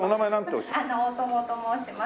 大友と申します。